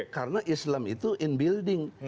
karena islam itu in building